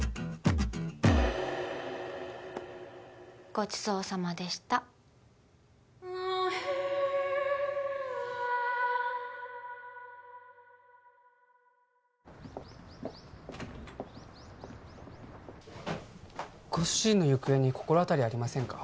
ごちそうさまでしたご主人の行方に心当たりありませんか？